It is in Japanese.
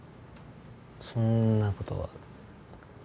そんなことは。